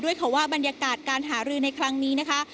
ค่ะว่าบรรยากาศการหารือในครั้งนี้นะคะ